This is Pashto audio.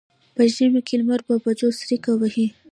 په ژمي کې لمر په بجو څریکه وهي.